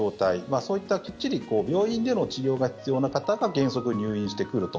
そういったきっちり病院での治療が必要な方が原則入院してくると。